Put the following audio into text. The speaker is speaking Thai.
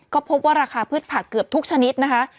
ก็พบว่าราคาพืชผักเกือบทุกชนิดนะคะ